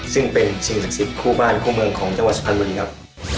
ซึ่งเป็นสิ่งศักดิ์สิทธิ์คู่บ้านคู่เมืองของจังหวัดสุพรรณบุรีครับ